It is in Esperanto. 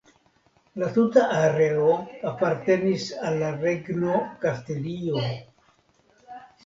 La tuta areo apartenis al la Regno Kastilio.